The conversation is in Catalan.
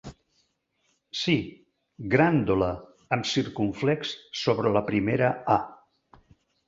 Sí, “Grândola”, amb circumflex sobre la primera a.